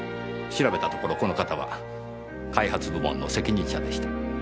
調べたところこの方は開発部門の責任者でした。